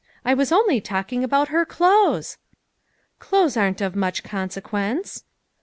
I was only talking about her clothes." "Clothes are not of much consequence."